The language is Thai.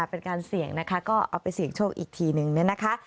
เป็นการเสี่ยงนะคะก็เอาไปเสี่ยงโชคอีกทีนึงเนี่ยนะคะ